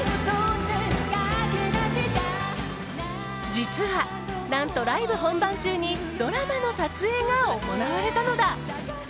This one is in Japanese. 実は、何とライブ本番中にドラマの撮影が行われたのだ。